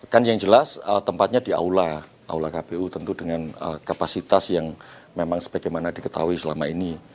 kan yang jelas tempatnya di aula aula kpu tentu dengan kapasitas yang memang sebagaimana diketahui selama ini